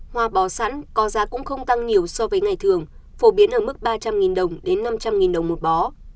hoa bò sẵn có giá cũng không tăng nhiều so với ngày thường phổ biến ở mức ba trăm linh đồng đến năm trăm linh đồng một bó